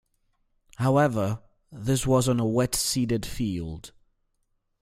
However, this was on a wet-seeded field.